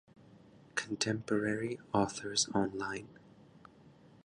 "Contemporary Authors Online".